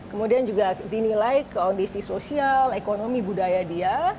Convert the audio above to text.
kemudian juga dinilai kondisi sosial ekonomi budaya dia